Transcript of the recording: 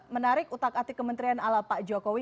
menarik utak atik kementerian ala pak jokowi